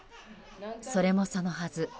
それもそのはず。